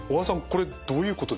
これどういうことでしょうか？